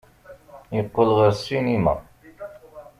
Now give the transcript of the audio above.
Yeqqel ɣer ssinima.